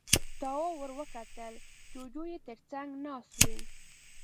تواب ور وکتل، جُوجُو يې تر څنګ ناست و.